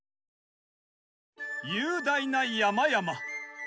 雄大な山々。